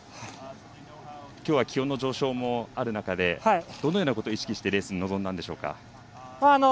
きょうは気温の上昇もある中でどのようなことを意識してレースに臨んだんでしょうか。